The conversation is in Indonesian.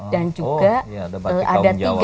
dan juga ada tiga